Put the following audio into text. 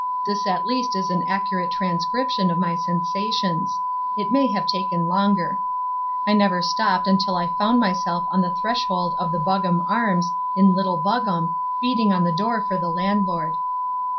This at least is an accurate transcription of my sensations. It may have taken longer. I never stopped till I found myself on the threshold of the Buggam Arms in Little Buggam, beating on the door for the landlord.